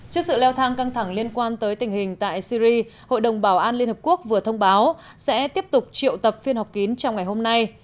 trước sự leo thang căng thẳng liên quan tới tình hình tại syri hội đồng bảo an liên hợp quốc vừa thông báo sẽ tiếp tục triệu tập phiên họp kín trong ngày hôm nay